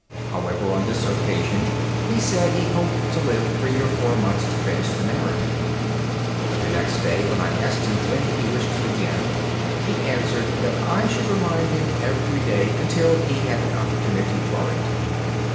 However, on this occasion, he said he hoped to live three or four months to finish the narrative. The next day when I asked him when he wished to begin, he answered that I should remind him every day until he had an opportunity for it.